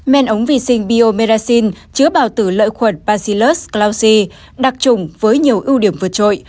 men ống vi sinh biomeracin chứa bào tử lợi khuẩn bacillus clausi đặc trùng với nhiều ưu điểm vượt trội